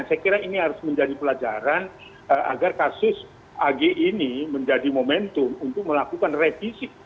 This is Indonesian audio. saya kira ini harus menjadi pelajaran agar kasus ag ini menjadi momentum untuk melakukan revisi